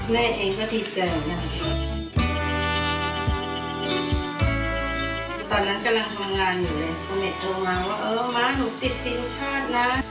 เม็ดเองก็ดีใจมาก